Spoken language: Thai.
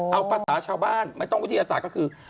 เอาภาษาชาวบ้านไม่ต้องวิทยาศาสตร์ก็คือ